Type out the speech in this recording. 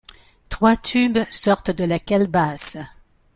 Trois tubes sortent de la calebasse.